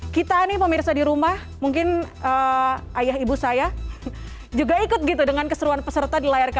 kita nih pemirsa di rumah mungkin ayah ibu saya juga ikut gitu dengan keseruan peserta di layar kaca